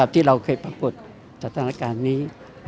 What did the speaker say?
ที่เราเคยปรากฏจากธนาคารนี้